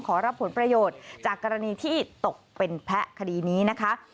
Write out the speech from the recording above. ขอรับผลประโยชน์จากกรณีที่ตกเป็นแพ้คดีนี้นะคะ